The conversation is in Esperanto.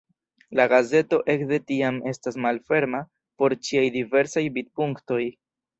La gazeto ekde tiam estas malferma por ĉiaj diversaj vidpunktoj.